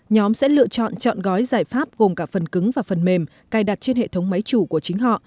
nhóm sẽ lựa chọn chọn gói giải pháp gồm cả phần cứng và phần mềm cài đặt trên hệ thống máy chủ của chính họ